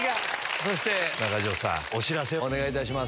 そして中条さん、お知らせ、お願いいたします。